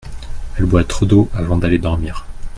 Elle boit trop d’eau avant d’aller dormir.